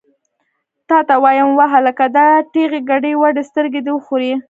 تا ته وایم، وهلکه! دا ټېغې ګډې وډې سترګې دې وخورې!